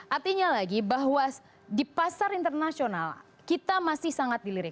artinya lagi bahwa di pasar internasional kita masih sangat dilirik